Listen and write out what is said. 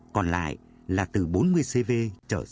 còn lại là từ bốn mươi cv trở